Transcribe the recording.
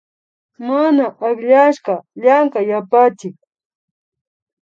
Mana akllashka Llankay yapachik